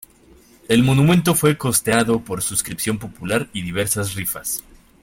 El monumento fue costeado por suscripción popular y diversas rifas.